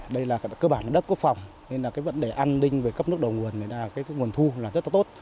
đây là cơ bản đất quốc phòng nên vấn đề an ninh về cấp nước đầu nguồn là nguồn thu rất tốt